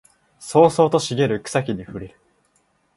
青々と茂る草木に触れる